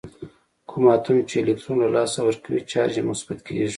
کوم اتوم چې الکترون له لاسه ورکوي چارج یې مثبت کیږي.